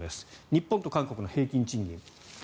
日本と韓国の平均賃金。